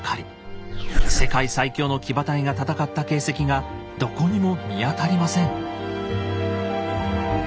世界最強の騎馬隊が戦った形跡がどこにも見当たりません。